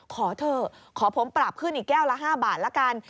ขอเถอะขอผมปรับขึ้นอีกแก้วละ๕บาทละกัน